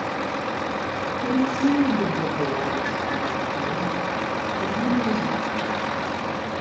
Король сів на дубовій лавиці під вікном і знову зітхнув.